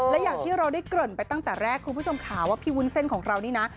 และอย่างที่เราได้เกริ่นไปตั้งแต่แรกคุณผู้ชมค่ะว่าพี่วุ้นเส้นของเรานี่นะ